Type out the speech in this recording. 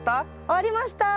終わりました。